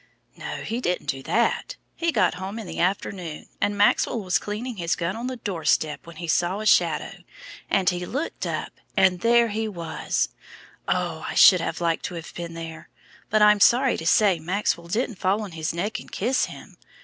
"No, he didn't do that. He got home in the afternoon, and Maxwell was cleaning his gun on the doorstep, when he saw a shadow, and he looked up and there he was! Oh! I should like to have been there, but I'm sorry to say Maxwell didn't fall on his neck and kiss him.